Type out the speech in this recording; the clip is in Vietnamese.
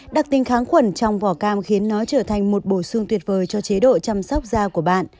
đặc tính kháng khuẩn trong vỏ cam khiến nó trở thành một bổ sung tuyệt vời cho chế độ chăm sóc da của bạn